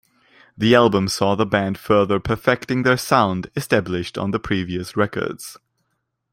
The album saw the band further perfecting their sound established on the previous records.